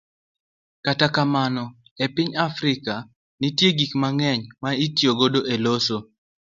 Kata kamano, e piny Afrika, nitie gik mang'eny ma ne itiyogo e loso